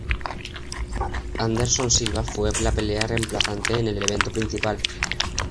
Anderson Silva fue la pelea reemplazante en el evento principal.